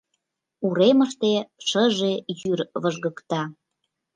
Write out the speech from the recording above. Уремыште шыже йӱр выжгыкта.